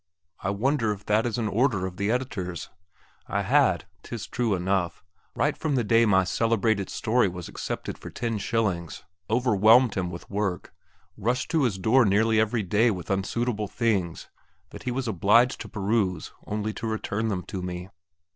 I wonder if that is an order of the editor's. I had, 'tis true enough, right from the day my celebrated story was accepted for ten shillings, overwhelmed him with work, rushed to his door nearly every day with unsuitable things that he was obliged to peruse only to return them to me.